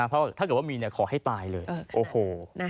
เพราะถ้าเกิดว่ามีขอให้ตายเลยโอ้โห